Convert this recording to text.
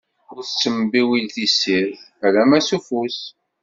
Ur tettembiwil tessirt, alamma s ufus.